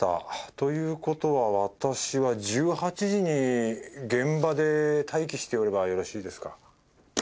ということは私は１８時に現場で待機しておればよろしいですか？